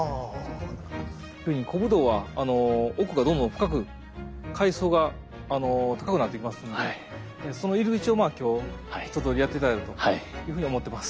古武道は奥がどんどん深く階層が高くなっていきますのでその入り口を今日一とおりやって頂いたというふうに思ってます。